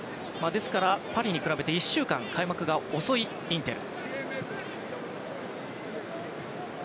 ですから、パリに比べて１週間開幕が遅いインテル。